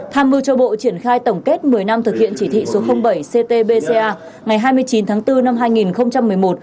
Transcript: tham mưu cho bộ triển khai tổng kết một mươi năm thực hiện chỉ thị số bảy ctbca ngày hai mươi chín tháng bốn năm hai nghìn một mươi một